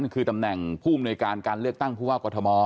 คือตำแหน่งภูมิในการเลือกตั้งผู้ว่ากวทม